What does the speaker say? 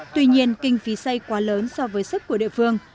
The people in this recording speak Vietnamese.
tuy nhiên kinh phí xây quá lớn so với sức của địa phương